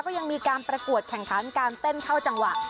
ก็ยังมีการประกวดแข่งขันการเต้นเข้าจังหวะ